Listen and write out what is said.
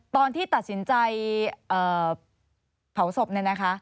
ตอนที่ตัดสินใจเผาศพเนี่ยนะคะ